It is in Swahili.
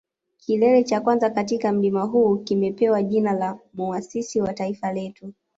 Kilele cha kwanza katika mlima huu kimepewa jina la muasisi wa taifa letu